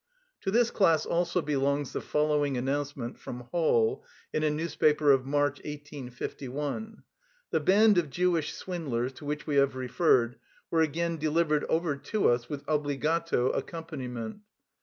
To this class also belongs the following announcement from Hall in a newspaper of March 1851: "The band of Jewish swindlers to which we have referred were again delivered over to us with obligato accompaniment."